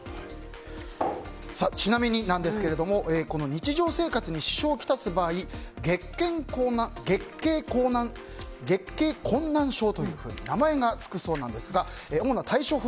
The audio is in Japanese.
ちなみにですがこの日常生活に支障を来す場合月経困難症というふうに名前がつくそうですが主な対処法